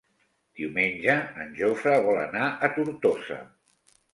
Diumenge en Jofre vol anar a Tortosa.